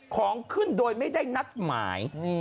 ของขึ้นโดยไม่ได้นัดหมาย